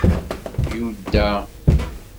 Yuda